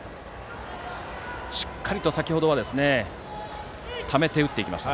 しっかりと、先程はためて打っていきました。